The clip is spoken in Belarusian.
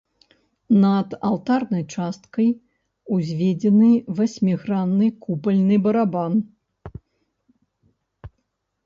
Над алтарнай часткай узведзены васьмігранны купальны барабан.